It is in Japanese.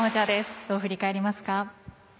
どう振り返りますか？